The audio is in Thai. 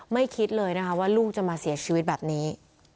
คิดเลยนะคะว่าลูกจะมาเสียชีวิตแบบนี้